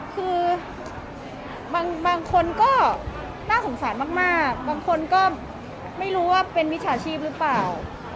คือบางคนก็น่าสงสารมากบางคนก็ไม่รู้ว่าเป็นมิจฉาชีพหรือเปล่า